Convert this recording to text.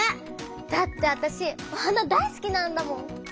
だってあたしお花大すきなんだもん！